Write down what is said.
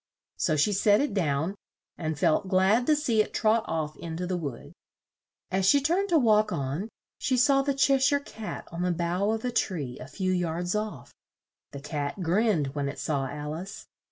So she set it down, and felt glad to see it trot off in to the wood. As she turned to walk on, she saw the Che shire Cat on the bough of a tree a few yards off. The Cat grinned when it saw Al ice.